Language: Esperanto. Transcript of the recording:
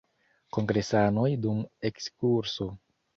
Kongresanoj dum ekskurso.